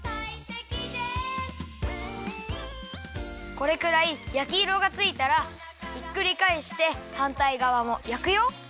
これくらいやきいろがついたらひっくりかえしてはんたいがわもやくよ！